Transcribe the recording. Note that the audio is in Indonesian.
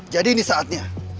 jadi ini saatnya